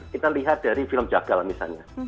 kita lihat dari film jagal misalnya